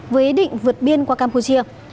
với ý định vượt biên qua campuchia